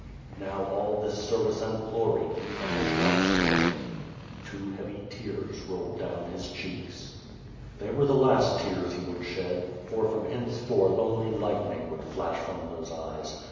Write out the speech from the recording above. Now all this service and glory would vanish like smoke. Two heavy tears rolled down his cheeks. They were the last tears he would shed, for from hence forth only lightning would flash from those eyes.